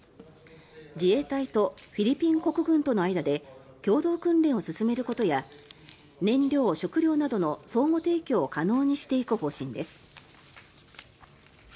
自衛隊とフィリピン国軍との間で共同訓練を進めることや燃料・食料などの相互提供を可能にしていく方針です。